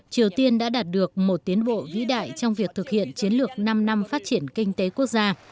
triều tiên đã đạt được một tiến bộ vĩ đại trong việc thực hiện chiến lược năm năm phát triển kinh tế quốc gia